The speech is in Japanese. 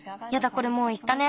これもういったね。